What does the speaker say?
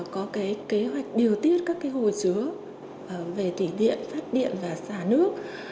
có cái kế hoạch điều tiết các cái hồi chứa về thủy điện phát điện và xả nước